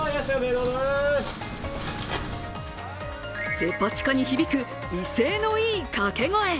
デパ地下に響く威勢のいい掛け声。